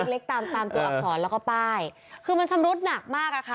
เล็กตามตามตัวอักษรแล้วก็ป้ายคือมันชำรุดหนักมากอ่ะค่ะ